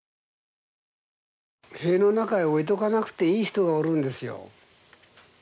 塀の中へ置いておかなくていい人がおるんですよ。